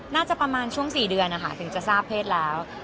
น่าจะประมาณช่วง๔เดือนนะคะถึงจะทราบเพศแล้ว